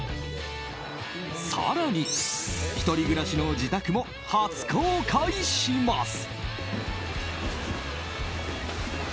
更に、１人暮らしの自宅も初公開します。